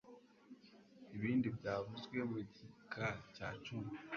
ibindi byavuzwe mu gika cya cumi